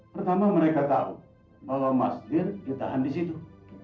pertama mereka tahu bahwa mas dir ditahan di situ